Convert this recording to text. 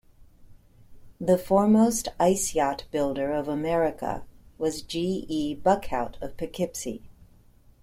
The foremost ice-yacht builder of America was G. E. Buckhout of Poughkeepsie.